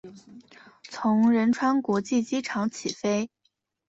从仁川国际机场起飞。